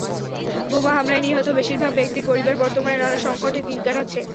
বোমা হামলায় নিহত বেশির ভাগ ব্যক্তির পরিবার বর্তমানে নানা সংকটে দিন কাটাচ্ছে।